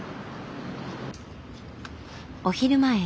お昼前。